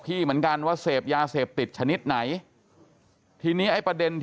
พี่ชายบอกว่าตัวเขาเองมีพระราชินีอยู่อาจเป็น